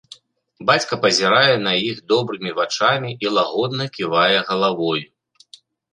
Бацька пазірае на іх добрымі вачамі і лагодна ківае галавой.